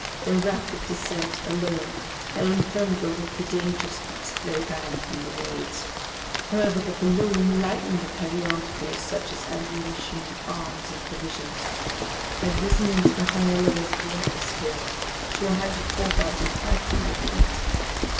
Their rapid descent alone had informed them of the dangers which they ran from the waves. However, the balloon, lightened of heavy articles, such as ammunition, arms, and provisions, had risen into the higher layers of the atmosphere, to a height of 4,500 feet.